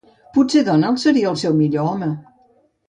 Potser Donald seria el seu millor home.